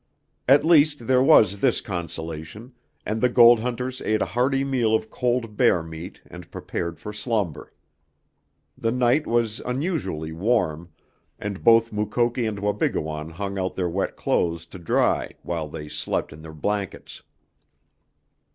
At least there was this consolation, and the gold hunters ate a hearty meal of cold bear meat and prepared for slumber. The night was unusually warm, and both Mukoki and Wabigoon hung out their wet clothes to dry while they slept in their blankets.